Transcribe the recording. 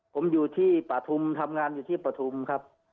ผมอยู่ที่ปฐุมทำงานอยู่ที่ปฐุมครับ